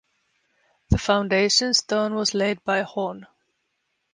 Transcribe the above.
The foundation stone was laid by Hon.